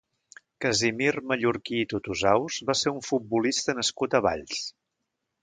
Casimir Mallorquí i Tutusaus va ser un futbolista nascut a Valls.